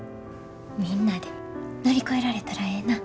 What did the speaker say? みんなで乗り越えられたらええな。